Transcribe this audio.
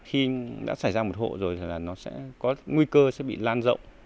khi đã xảy ra một hộ rồi là nó sẽ có nguy cơ sẽ bị lan rộng